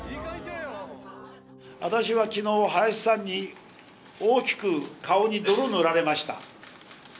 私は昨日林さんに大きく顔に泥を塗られました。